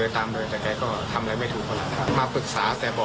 อย่างนี้แต่ไม่ได้พูดไม่เยอะครับ